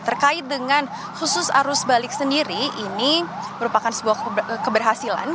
terkait dengan khusus arus balik sendiri ini merupakan sebuah keberhasilan